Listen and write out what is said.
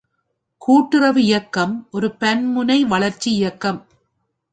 கூட்டுறவு இயக்கம் ஒரு பன்முனை வளர்ச்சி இயக்கம்.